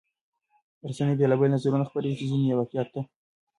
رسنۍ بېلابېل نظرونه خپروي چې ځینې یې واقعيت ته نږدې او ځینې مبالغه وي.